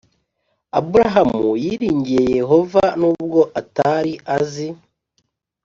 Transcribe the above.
Aburahamu yiringiye yehova nubwo atari azi